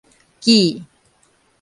砌